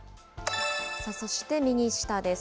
そして右下です。